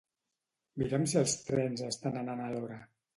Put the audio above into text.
Mira'm si els trens estan anant a l'hora